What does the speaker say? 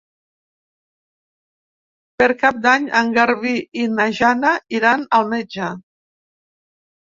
Per Cap d'Any en Garbí i na Jana iran al metge.